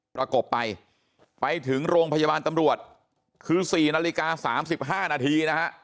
ประกบไปไปถึงโรงพยาบาลตำรวจคือ๔นาฬิกา๓๕นาทีนะฮะ